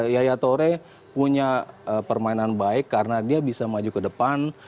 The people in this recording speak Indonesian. yaya tore punya permainan baik karena dia bisa maju ke depan